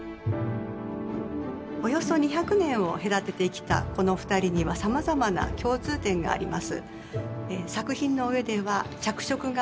およそ２００年を隔てて生きたこの２人にはさまざまな共通点があります。